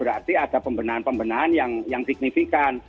berarti ada pembenahan pembenahan yang signifikan